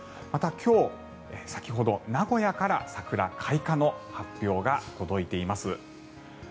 また、今日、先ほど名古屋から桜開花の発表が届いています。